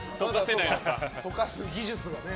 溶かす技術がね。